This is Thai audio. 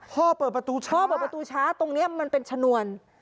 เปิดประตูช้าพ่อเปิดประตูช้าตรงนี้มันเป็นชนวน